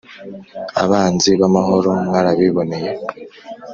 abanzi b'amahoro mwarabiboneye,